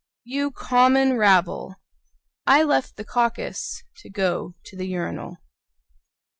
You common rabble! I left the caucus To go to the urinal.